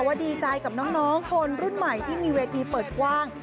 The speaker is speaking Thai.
ว่าดีใจกับน้องคนรุ่นใหม่ที่มีเวทีเปิดกว้าง